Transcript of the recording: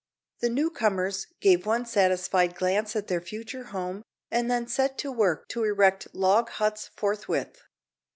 The new comers gave one satisfied glance at their future home, and then set to work to erect log huts forthwith.